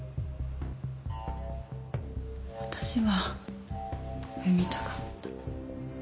私は産みたかった。